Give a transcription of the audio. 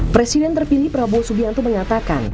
presiden terpilih prabowo subianto mengatakan